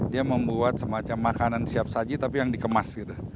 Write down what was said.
dia membuat semacam makanan siap saji tapi yang dikemas gitu